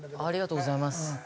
ありがとうございます。